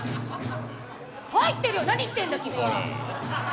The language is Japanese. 入ってるよ、何言ってんだ、君は。